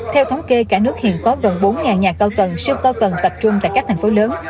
theo thống kê cả nước hiện có gần bốn nhà cao tầng siêu cao tầng tập trung tại các thành phố lớn